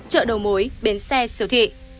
chợ đầu mối bến xe siêu thị